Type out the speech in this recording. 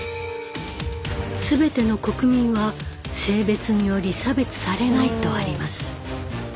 すべての国民は性別により差別されないとあります。